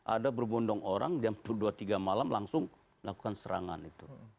ada berbondong orang jam dua tiga malam langsung melakukan serangan itu